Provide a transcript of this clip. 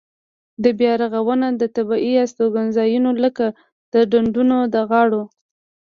دا بیا رغونه د طبیعي استوګنځایونو لکه د ډنډونو د غاړو.